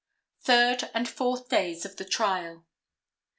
Third and Fourth Days of the Trial.